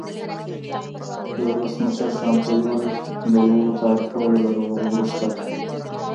د ولسمشر ټرمپ له لوري د لوړو تعرفو له لګولو وروسته